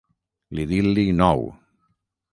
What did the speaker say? L'idil·li nou.